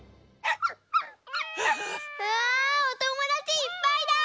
うわおともだちいっぱいだ！